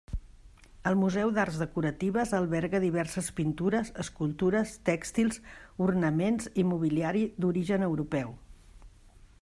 El Museu d'Arts Decoratives alberga diverses pintures, escultures, tèxtils, ornaments i mobiliari d'origen europeu.